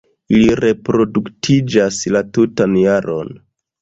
Ili reproduktiĝas la tutan jaron.